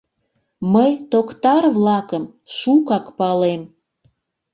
Мый Токтар-влакым шукак палем.